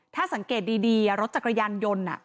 ถ้าสังเกตดีดีอ่ะรถจักรยานยนต์อ่ะ